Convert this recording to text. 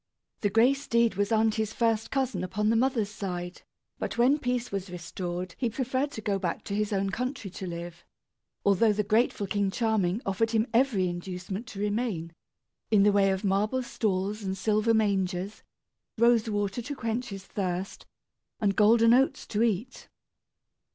The gray steed was aunty's first cousin upon the mother's side; but when peace was restored he preferred to go back to his own country to live, although the grateful King Charming offered him every inducement to remain, in the way of marble stalls and silver mangers, rose water to quench his thirst, and golden oats to eat.